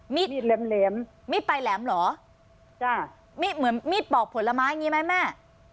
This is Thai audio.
มีดแหลมมีดปลายแหลมเหรอจ้ะมีดเหมือนมีดปอกผลไม้อย่างงี้ไหมแม่